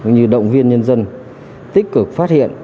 như động viên nhân dân tích cực phát hiện